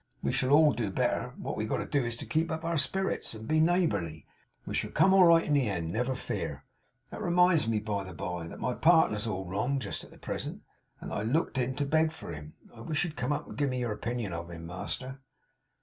We shall all do better. What we've got to do is, to keep up our spirits, and be neighbourly. We shall come all right in the end, never fear. That reminds me, by the bye, that my partner's all wrong just at present; and that I looked in to beg for him. I wish you'd come and give me your opinion of him, master.